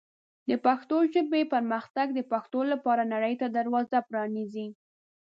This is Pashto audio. د پښتو ژبې پرمختګ د پښتو لپاره نړۍ ته دروازه پرانیزي.